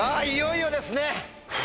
いよいよですね！